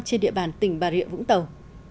trên địa bàn tỉnh bà rịa vũng tàu